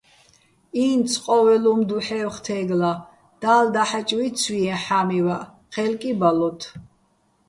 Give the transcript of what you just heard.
ინც ყო́ველ უ̂მ დუჰ̦ეჲვხ თეგლა, და́ლ დაჰაჭ ვიცვიეჼ ჰ̦ამივაჸ, ჴელ კი ბალოთ.